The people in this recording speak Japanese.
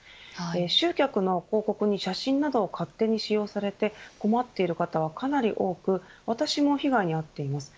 集客の広告に写真などを勝手に使用されて困っている方はかなり多く私も被害に遭っています。